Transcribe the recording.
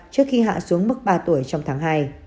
trước khi hạ xuống mức ba tuổi trong tháng hai